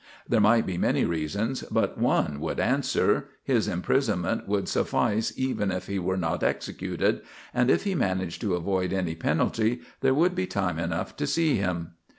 There might be many reasons, but one would answer: his imprisonment would suffice even if he were not executed; and if he managed to avoid any penalty, there would be time enough to see him.